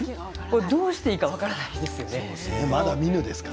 どうしていいか分からないですよね。